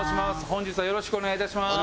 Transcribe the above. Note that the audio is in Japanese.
本日はよろしくお願い致します。